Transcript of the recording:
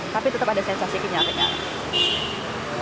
tapi tetap ada sensasi kenyal kenyal